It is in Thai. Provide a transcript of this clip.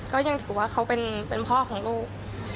ก็ยังถือว่าเขาเป็นพ่อของลูก